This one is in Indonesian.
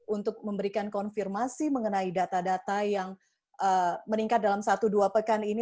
untuk memberikan konfirmasi mengenai data data yang meningkat dalam satu dua pekan ini